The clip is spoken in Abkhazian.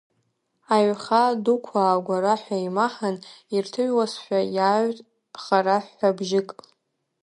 Аиҩхаа дуқәа агәараҳәа еимаҳан, ирҭыҩуазшәа иааҩт хара ҳәҳәабжьык.